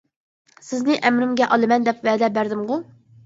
سىزنى ئەمىرىمگە ئالىمەن دەپ ۋەدە بەردىمغۇ.